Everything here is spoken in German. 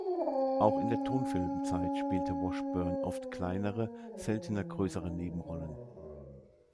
Auch in der Tonfilmzeit spielte Washburn oft kleinere, seltener größere Nebenrollen.